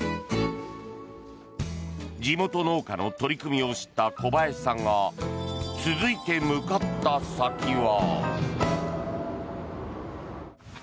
地元農家の取り組みを知った古林さんが続いて向かった先は。